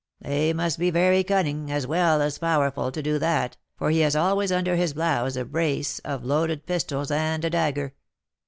"They must be very cunning, as well as powerful, to do that, for he always has under his blouse a brace of loaded pistols and a dagger.